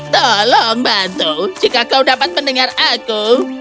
tolong bantu jika kau dapat mendengar aku